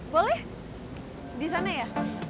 boleh di sana ya